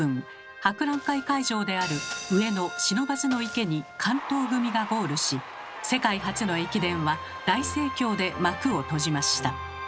博覧会会場である上野不忍池に関東組がゴールし世界初の駅伝は大盛況で幕を閉じました。